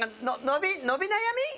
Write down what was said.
伸び悩み？